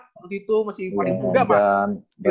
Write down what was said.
menurut itu masih paling buga pak